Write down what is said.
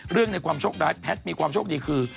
ในความโชคร้ายแพทย์มีความโชคดีคือ